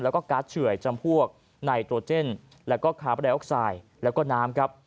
แล้วก็การ์ดเฉื่อยจำพวกไนโตรเจนแล้วก็คาร์บรายออกไซด์แล้วก็น้ำครับ